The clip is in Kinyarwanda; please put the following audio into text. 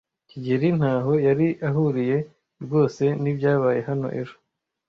kigeli ntaho yari ahuriye rwose nibyabaye hano ejo.